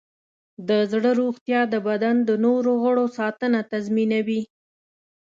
د زړه روغتیا د بدن د نور غړو ساتنه تضمینوي.